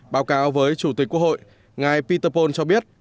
báo cáo với chủ tịch quốc hội ngài peter pol cho biết